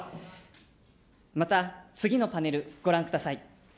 また次のパネル、ご覧ください。